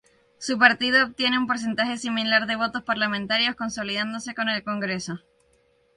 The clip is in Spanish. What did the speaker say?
Su partido obtiene un porcentaje similar de votos parlamentarios consolidándose con el Congreso.